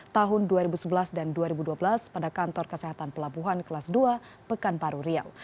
tahun dua ribu sebelas dan dua ribu dua belas pada kantor kesehatan pelabuhan kelas dua pekanbaru riau